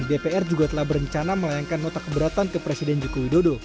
dpr juga telah berencana melayangkan nota keberatan ke presiden joko widodo